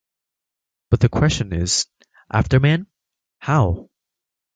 But the question is: After Man, how?